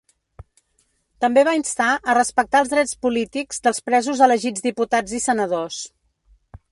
També va instar a respectar els drets polítics dels presos elegits diputats i senadors.